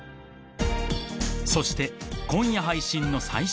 ［そして今夜配信の最新作は］